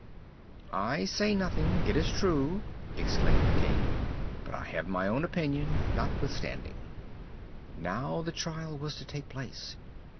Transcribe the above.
"I say nothing, it is true," exclaimed the King; "but I have my own opinion, notwithstanding." Now the trial was to take place.